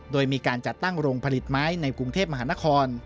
โดยมีการจัดตั้งโรงผลิตไม้ในกรุงเทพมหานคร